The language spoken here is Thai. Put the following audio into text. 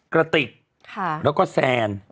กระติกแล้วก็แซน